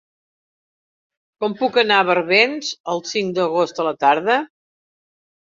Com puc anar a Barbens el cinc d'agost a la tarda?